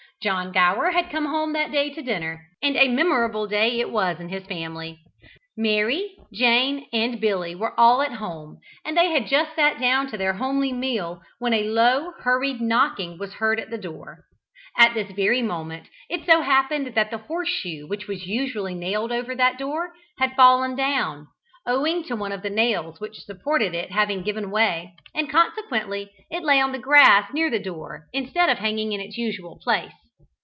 John Gower had come home that day to dinner, and a memorable day it was in his family. Mary, Jane, and Billy were all at home and they had just sat down to their homely meal when a low, hurried knocking was heard at the door. At this very moment it so happened that the horse shoe which was usually nailed over that door had fallen down, owing to one of the nails which supported it having given way, and consequently it lay on the grass near the door instead of hanging in its usual place.